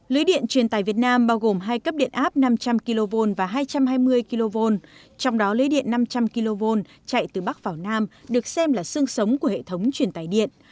lưới điện truyền tài việt nam bao gồm hai cấp điện áp năm trăm linh kv và hai trăm hai mươi kv trong đó lưới điện năm trăm linh kv chạy từ bắc vào nam được xem là sương sống của hệ thống truyền tài điện